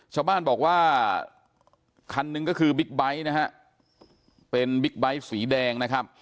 ชาวบ้านบอกว่าคันหนึ่งก็คือบิ๊กไบท์นะฮะเป็นบิ๊กไบท์สีแดงนะครับ